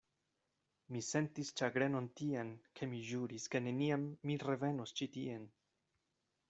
Mi sentis ĉagrenon tian, ke mi ĵuris, ke neniam mi revenos ĉi tien.